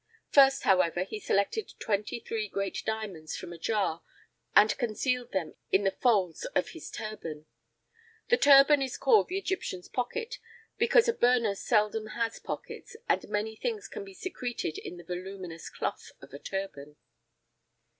First, however, he selected twenty three great diamonds from a jar and concealed them in the folds of his turban. The turban is called the Egyptian's pocket, because a burnous seldom has pockets, and many things can be secreted in the voluminous cloth of a turban.